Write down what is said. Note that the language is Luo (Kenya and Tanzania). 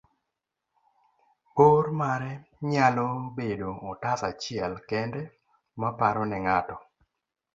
bor mare nyalo bedo otas achiel kende ma paro ne ng'ato